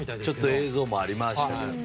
映像もありましたけども。